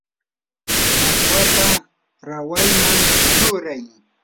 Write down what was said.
mashwata rawayman churay.